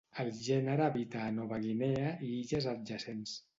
El gènere habita a Nova Guinea i illes adjacents.